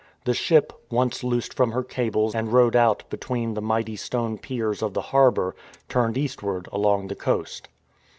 The ship, once loosed from her cables and rowed out between the mighty stone piers of the harbour, turned eastward along the coast.